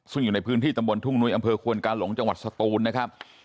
ซึ่งอยู่ในพื้นที่ตำบลทุ่งนุ้ยอำเภอควนกาหลงจังหวัดสตูนนะครับ